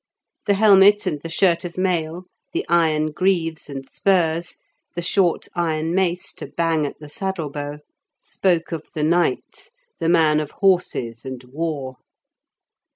The helmet and the shirt of mail, the iron greaves and spurs, the short iron mace to bang at the saddle bow, spoke of the knight, the man of horses and war.